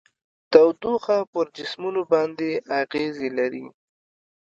تودوخه پر جسمونو باندې اغیزې لري.